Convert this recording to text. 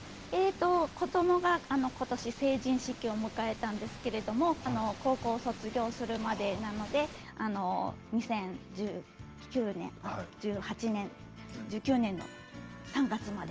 子どもが、ことし成人式を迎えたんですけれども高校卒業するまでなので２０１８年２０１９年の３月まで。